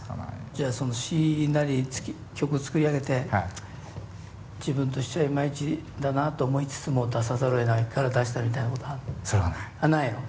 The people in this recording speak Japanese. じゃあその詞なり曲作り上げて自分としてはいまいちだなと思いつつも出さざるをえないから出したみたいなことあんの？